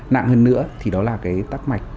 nặng hơn nữa thì đó là cái tắc mạch